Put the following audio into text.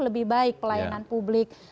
lebih baik pelayanan publik